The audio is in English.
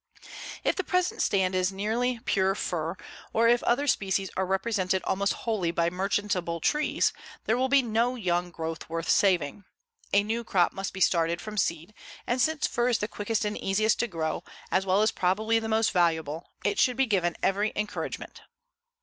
If the present stand is nearly pure fir, or if other species are represented almost wholly by merchantable trees, there will be no young growth worth saving. A new crop must be started from seed, and since fir is the quickest and easiest to grow, as well as probably the most valuable, it should be given every encouragement.